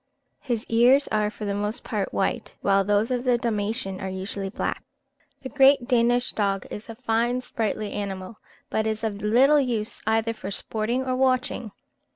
His ears are for the most part white, while those of the Dalmatian are usually black. The great Danish dog is a fine sprightly animal, but is of little use either for sporting or watching.